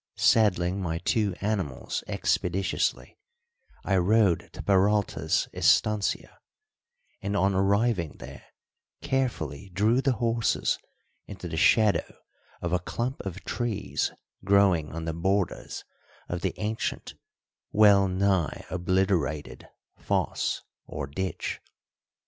Saddling my two animals expeditiously, I rode to Peralta's estancia, and on arriving there carefully drew the horses into the shadow of a clump of trees growing on the borders of the ancient, wellnigh obliterated foss or ditch.